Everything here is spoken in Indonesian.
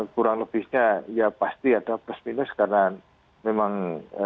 kurang lebihnya ya pasti ada plus minus karena memang